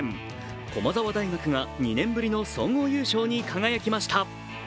駒澤大学が２年ぶりの総合優勝に輝きました。